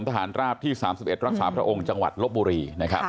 ทหารราบที่๓๑รักษาพระองค์จังหวัดลบบุรีนะครับ